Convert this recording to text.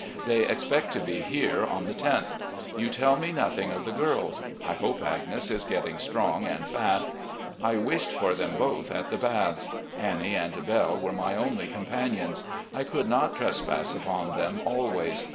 They expect to be here on the loth. ... You tell me nothing of the girls. I hope Agnes is getting strong and fat. I wished for them both at the Baths. Annie and Belle were my only companions. I could not trespass upon them always.